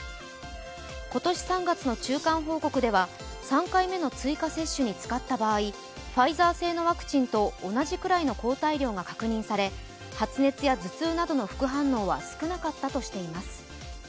今年３月の中間報告では、３回目の追加接種に使った場合、ファイザー製のワクチンと同じくらいの抗体量が確認され発熱や頭痛などの副反応は少なかったとしています。